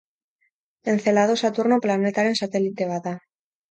Encelado Saturno planetaren satelite bat da.